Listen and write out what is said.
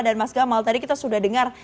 dan mas gamal tadi kita sudah dengar